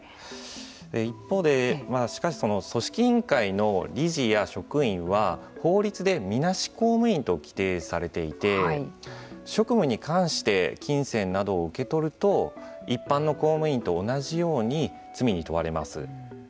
一方で、しかし組織委員会の理事や職員は法律でみなし公務員と規定されていて職務に関して金銭などを受け取ると一般の公務員と同じように罪に問われます。